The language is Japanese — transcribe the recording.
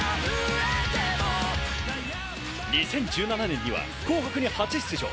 ２０１７年には『紅白』に初出場。